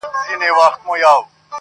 پلرونو یې په وینو رنګولي ول هډونه -